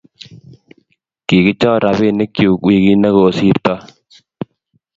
kikichor robinikchu wikit ne kosirto